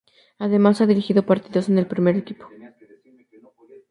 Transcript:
Además, ha dirigido partidos en el primer equipo.